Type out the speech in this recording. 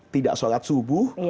tidak sholat subuh